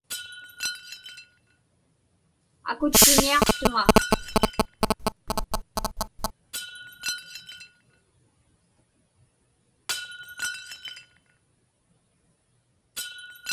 Akutchiñiaqtuŋa.